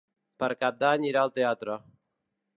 Per Cap d'Any irà al teatre.